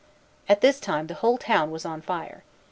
At this time the whole town was on fire.